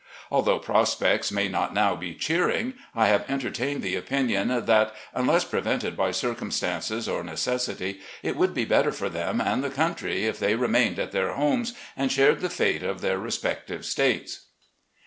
Although prospects may not now be cheering, I have entertained the opinion that, unless prevented by circumstances or necessity, it would be better for them and the country if they remained at their homes and shared the fate of their respective States.